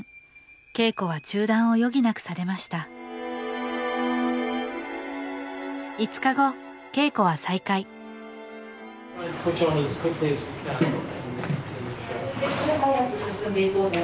稽古は中断を余儀なくされました５日後稽古は再開ジョン大丈夫？